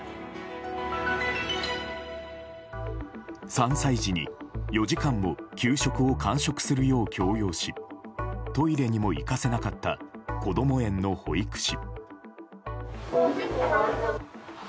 ３歳児に４時間も給食を完食するよう強要しトイレにも行かせなかったこども園の保育士。